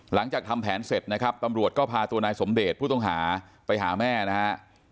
หลังจากทำแผนเสร็จนะครับตำรวจก็พาตัวนายสมเดชผู้ต้องหาไปหาแม่นะฮะ